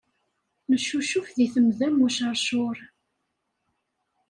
Neccucuf deg temda m uceṛcuṛ.